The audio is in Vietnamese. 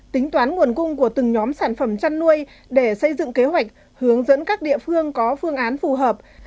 tính toán nguồn cung của từng nhóm sản phẩm chăn nuôi để xây dựng kế hoạch hướng dẫn các địa phương có phương án phù hợp